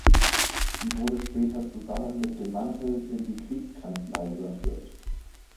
Sie wurde später zusammen mit dem Mantel in die „Kriegskanzlei“ überführt.